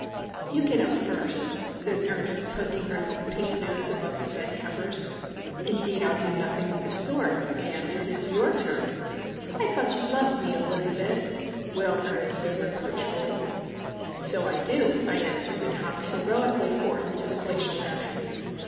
"You get up first," says Ernie, poking her little pink nose above the bed covers. "Indeed, I'll do nothing of the sort," I answered. "It's your turn." "I thought you loved me, Elizabeth!" wailed Ernestine, reproachfully. "So I do," I answered, and hopped heroically forth to the glacial matting.